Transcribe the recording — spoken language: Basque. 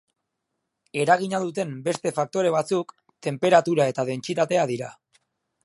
Eragina duten beste faktore batzuk tenperatura eta dentsitatea dira.